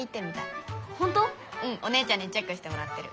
うんお姉ちゃんにチェックしてもらってる。